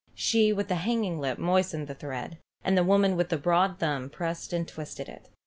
She with the hanging lip moistened the thread, and the woman with the broad thumb pressed and twisted it.